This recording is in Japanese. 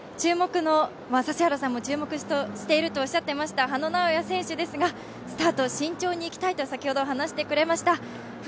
指原さんも注目しているとおっしゃっていました羽野直也選手ですが、スタートを慎重にいきたいと先ほど話してくれました。